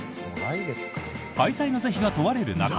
開催の是非が問われる中